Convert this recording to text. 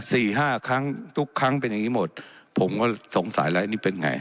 สี่ห้าครั้งทุกครั้งเป็นอย่างงี้หมดผมก็สงสัยแล้วอันนี้เป็นไง